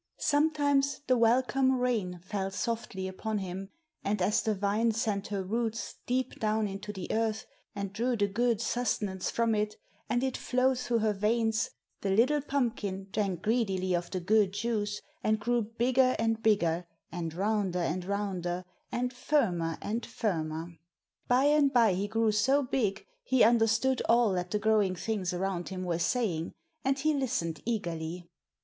Sometimes the welcome rain fell softly upon him, and as the vine sent her roots deep down into the earth and drew the good sustenance from it, and it flowed through her veins, the little pumpkin drank greedily of the good juice, and grew bigger and bigger, and rounder and rounder, and firmer and firmer. By and by he grew so big he understood all that the growing things around him were saying, and he listened eagerly.